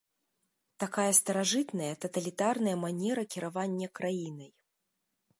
Такая старажытная таталітарная манера кіравання краінай.